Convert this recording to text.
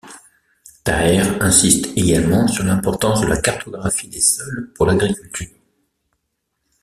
Thaer insiste également sur l'importance de la cartographie des sols pour l'agriculture.